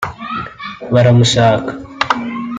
“Baramushaka”